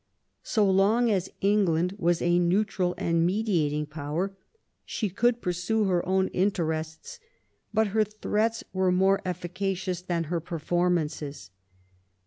So long as England was a neutral and mediating power she could pursue her own interests ; but her threats were more efficacious than her performances.